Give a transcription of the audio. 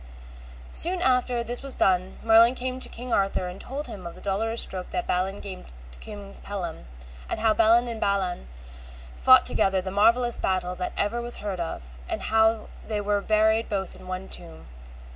Soon after this was done Merlin came to King Arthur and told him of the dolorous stroke that Balin gave to King Pellam, and how Balin and Balan fought together the marvellest battle that ever was heard of, and how they were buried both in one tomb.